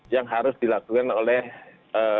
yang harus dilakukan oleh enam orang petugas pengamanan